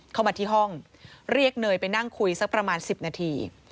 เข้ามาที่ห้องเรียกเนยไปนั่งคุยสักประมาณ๑๐นาที